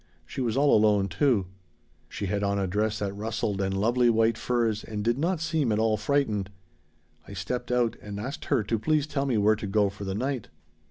She was all alone, too. She had on a dress that rustled and lovely white furs, and did not seem at all frightened. "I stepped out and asked her to please tell me where to go for the night.